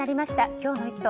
今日の「イット！」